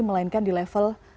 melainkan di level